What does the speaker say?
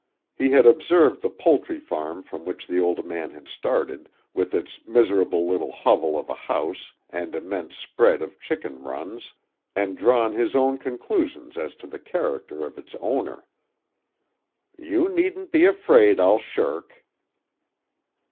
He had observed the poultry farm from which the old man had started, with its miserable little hovel of a house and immense spread of chicken runs, and drawn his own conclusions as to the character of its owner. "You needn't be afraid I'll shirk."